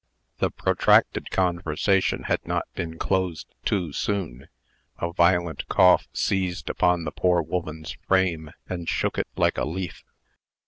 The protracted conversation had not been closed too soon. A violent cough seized upon the poor woman's frame, and shook it like a leaf.